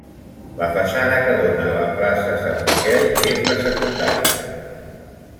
La façana que dóna a la plaça Sant Miquel és la secundària.